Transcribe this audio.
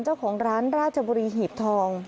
เจ้าของร้านราชบุรีหีบทอง